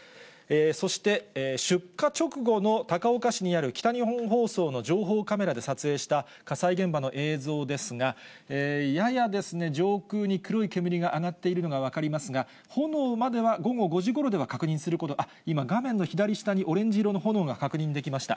そして、出火直後の高岡市にある、北日本放送の情報カメラで撮影した火災現場の映像ですが、ややですね、上空に黒い煙が上がっているのが分かりますが、炎までは午後５時ごろでは確認すること、あっ、今、画面の左下にオレンジ色の炎が確認できました。